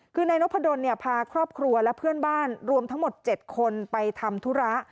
คือนายนพดลพาครอบครัวและเพื่อนบ้านรวมทั้งหมด๗คนไปทำธุระ